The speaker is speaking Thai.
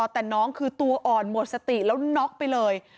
แต่น้องคือตัวอ่อนหมดสติแล้วน็อกไปเลย